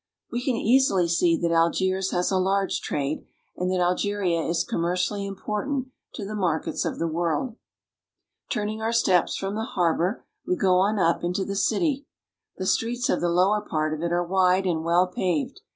We can easily see that Algiers has a large trade, and that Algeria is commer cially important to the markets of the world. Turning our steps from the harbor, we go on up into the city. The streets of the lower part of it are wide and well paved.